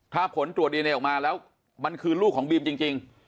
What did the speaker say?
ถ้าผลตรวจดีเอเนยออกมาแล้วมันคือลูกของบีมจริง